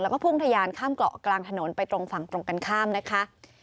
แล้วก็พุ่งทะยานข้ามเกาะกลางถนนไปตรงฝั่งตรงกันข้ามนะคะ